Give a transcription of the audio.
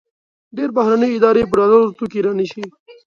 ډېری بهرني ادارې په ډالرو توکي رانیسي.